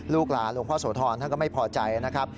ลูกหลานหลวงพ่อโสธรท่านก็ไม่พอใจนะครับ